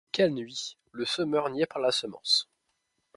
Quelle nuit! le semeur nié par la semence !